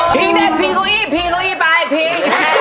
พิงเด้นพิงกุ้งอี้พิงกุ้งอี้ปลายพิง